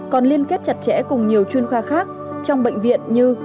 còn liên kết chặt chẽ cùng nhiều chuyên khoa khác trong bệnh viện như